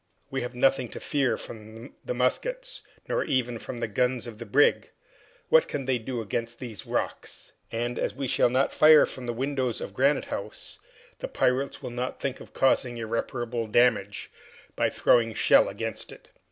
We have nothing to fear from the muskets nor even from the guns of the brig. What can they do against these rocks? And, as we shall not fire from the windows of Granite House, the pirates will not think of causing irreparable damage by throwing shell against it.